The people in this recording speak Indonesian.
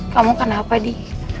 kamu kenapa di